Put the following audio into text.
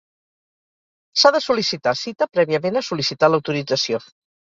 S'ha de sol·licitar cita prèviament a sol·licitar l'autorització.